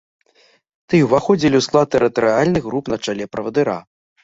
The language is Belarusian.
Тыя ўваходзілі ў склад тэрытарыяльных груп на чале правадыра.